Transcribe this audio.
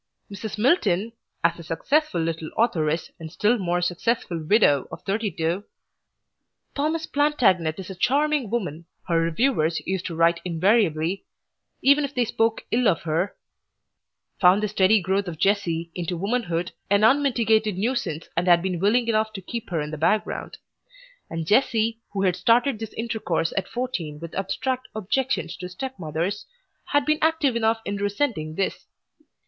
Mrs. Milton, as a successful little authoress and still more successful widow of thirty two, "Thomas Plantagenet is a charming woman," her reviewers used to write invariably, even if they spoke ill of her, found the steady growth of Jessie into womanhood an unmitigated nuisance and had been willing enough to keep her in the background. And Jessie who had started this intercourse at fourteen with abstract objections to stepmothers had been active enough in resenting this.